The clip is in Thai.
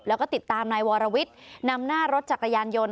แล้วก็ติดตามนายวรวิทย์นำหน้ารถจักรยานยนต์